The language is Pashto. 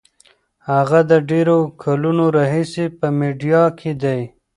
هغه د ډېرو کلونو راهیسې په میډیا کې دی.